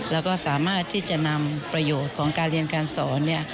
แล้วก็สามารถที่จะนำประโยชน์ของการเรียนการสอนเนี่ย